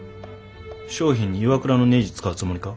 商品にＩＷＡＫＵＲＡのねじ使うつもりか？